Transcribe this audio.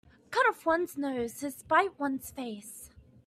Cut off one's nose to spite one's face.